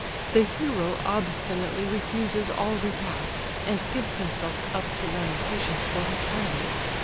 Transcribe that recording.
The hero obstinately refuses all repast, and gives himself up to lamentations for his friend.